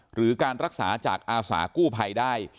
หรือการรักษาจากอาสากู้ภัยได้